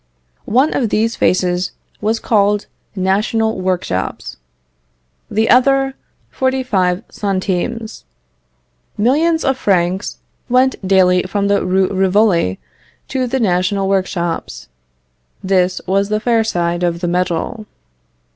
One of these faces was called national workshops. The other, forty five centimes. Millions of francs went daily from the Rue Rivoli to the national workshops. This was the fair side of the medal.